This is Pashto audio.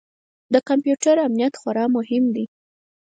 د کمپیوټر امنیت خورا مهم دی.